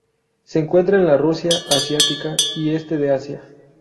Se encuentra en la Rusia asiática y Este de Asia.